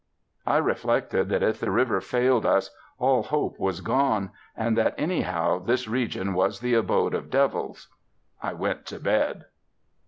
I reflected that if the river failed us, all hope was gone; and that anyhow this region was the abode of devils. I went to bed.